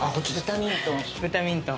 ブタミントン？